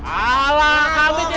alah kami tidak terpercaya